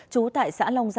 chú tại xã long giang